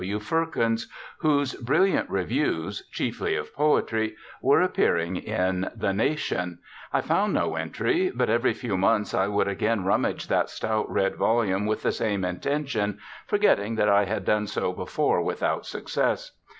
W. Firkins, whose brilliant reviews chiefly of poetry were appearing in The Nation. I found no entry, but every few months I would again rummage that stout red volume with the same intention, forgetting that I had done so before without success.